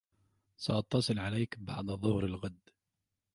سأتصل عليك بعد ظهر الغد.